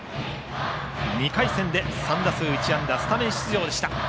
２回戦で３打数１安打スタメン出場でした。